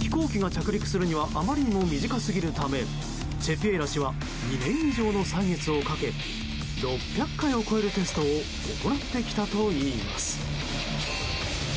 飛行機が着陸するにはあまりにも短すぎるためチェピエラ氏は２年以上の歳月をかけ６００回を超えるテストを行ってきたといいます。